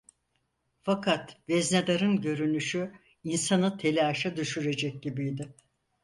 Fakat veznedarın görünüşü insanı telaşa düşürecek gibiydi.